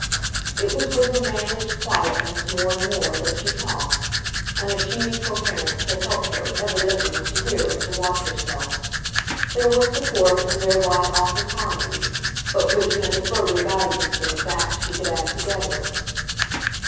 It was with her managed quietness, more and more, that she talked an achieved coherence that helped her, evidently, to hear and to watch herself; there was support, and thereby an awful harmony, but which meant a further guidance, in the facts she could add together.